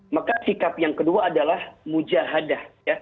maka sikap yang kedua adalah mujahadah